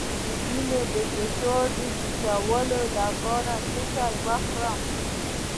د وینې فشار ټیټولو لپاره څه شی وخورم؟